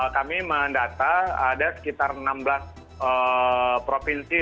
kami mendata ada sekitar enam belas provinsi